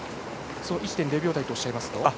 その１．０秒台とおっしゃいますと？